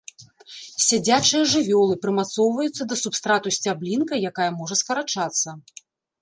Сядзячыя жывёлы, прымацоўваюцца да субстрату сцяблінкай, якая можа скарачацца.